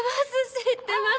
知ってます！